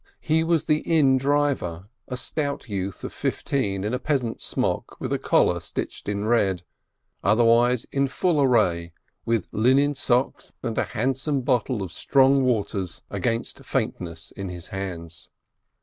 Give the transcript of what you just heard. He was the inn driver, a stout youth of fifteen, in a peasant smock with a collar stitched in red, other wise in full array, with linen socks and a handsome bottle of strong waters against faintness in his hands.